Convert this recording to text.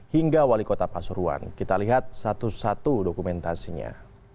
hingga wali kota pasuruan kita lihat satu satu dokumentasinya